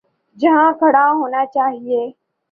جہاں کھڑا ہونا چاہیے۔